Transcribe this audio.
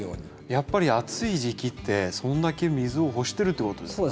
やっぱり暑い時期ってそんだけ水を欲してるってことですかね。